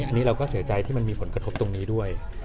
อันนี้เราก็เสียใจที่มันมีผลกระทบตรงนี้ด้วย